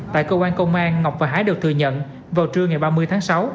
tại cơ quan công an ngọc và hải đều thừa nhận vào trưa ngày ba mươi tháng sáu